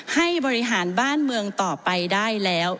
ให้บริหารบ้านเมืองต่อไปได้แล้ว